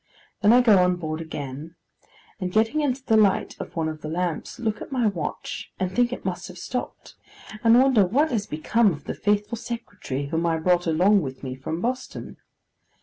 Then I go on board again; and getting into the light of one of the lamps, look at my watch and think it must have stopped; and wonder what has become of the faithful secretary whom I brought along with me from Boston.